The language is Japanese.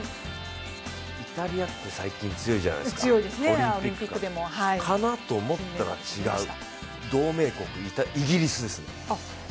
イタリアって最近強いじゃないですか、かなって思ったら同盟国イギリスですね。